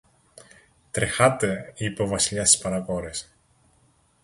Τρεχάτε, είπε ο Βασιλιάς στις παρακόρες